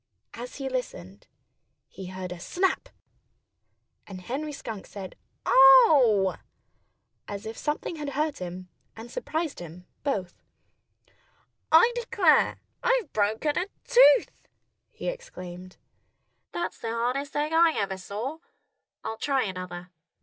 As he listened, he heard a snap! And Henry Skunk said "Oh!" as if something hurt him, and surprised him, both. "I declare, I've broken a tooth!" he exclaimed. "That's the hardest egg I ever saw. I'll try another."